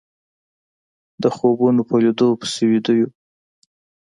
د خوبونو په ليدو پسې ويده يو